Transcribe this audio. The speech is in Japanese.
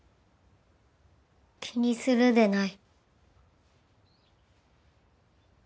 気にするでない。